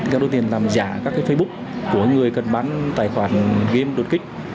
các đối tượng làm giả các facebook của người cần bán tài khoản game đột kích